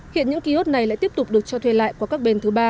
hiện những ký ốt này lại tiếp tục được cho thuê lại qua các bên thứ ba